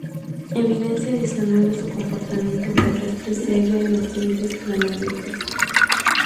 Evidencia adicional de su comportamiento terrestre se halla en los dientes y la mandíbula.